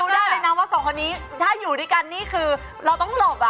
แล้วเนอะเขาก็ดูเหมือนกันเลยอะ